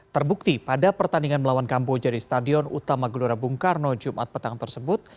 terbukti pada pertandingan melawan kamboja di stadion utama gelora bung karno jumat petang tersebut